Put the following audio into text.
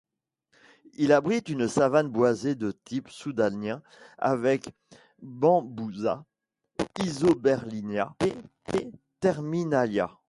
Il abrite une savane boisée de type soudanien avec Bambousa, Isoberlinia et Terminalia.